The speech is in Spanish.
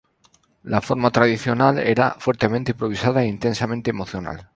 La forma musical tradicional era fuertemente improvisada e intensamente emocional.